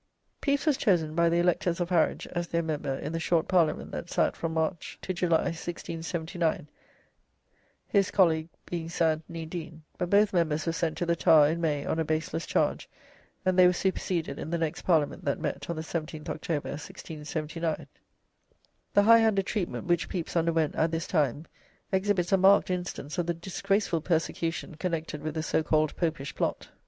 '" Pepys was chosen by the electors of Harwich as their member in the short Parliament that sat from March to July, 1679, his colleague being Sir Anthony Deane, but both members were sent to the Tower in May on a baseless charge, and they were superseded in the next Parliament that met on the 17th October, 1679. The high handed treatment which Pepys underwent at this time exhibits a marked instance of the disgraceful persecution connected with the so called Popish plot.